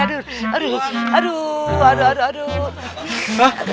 aduh aduh aduh